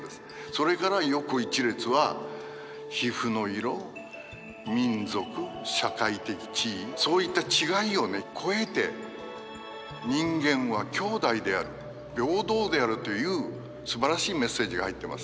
それから横一列は皮膚の色民族社会的地位そういった違いをね超えて人間は兄弟である平等であるというすばらしいメッセージが入ってます。